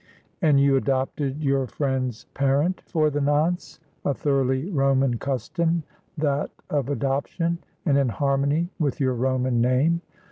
' And you adopted your friend's parent for the nonce ; a thoroughly Roman custom that of adoption, and in harmony with your Roman name.